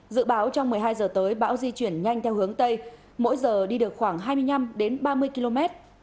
dự báo trong một mươi hai giờ tới bão di chuyển nhanh theo hướng tây mỗi giờ đi được khoảng hai mươi năm ba mươi km